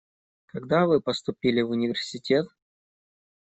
Когда вы поступили в университет?